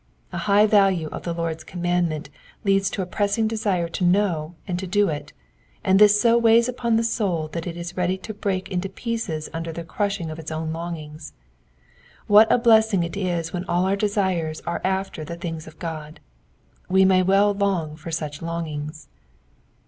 A high value of the Lord^s commandment leads to a pressing desire to know and to do it, and this so weighs upon the soul that it is ready to break in pieces under the crush of its own longings. What a blessing it is when all our desires are after the things of God. We may well long for such longings.